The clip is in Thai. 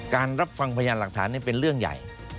รับฟังพยานหลักฐานเป็นเรื่องใหญ่